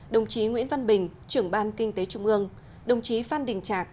đồng chí nguyễn văn bình trưởng ban kinh tế trung ương đồng chí phan đình trạc